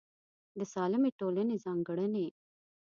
د سالمې ټولنې ځانګړنې